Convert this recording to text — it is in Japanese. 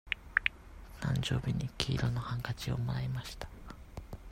誕生日に黄色のハンカチをもらいました。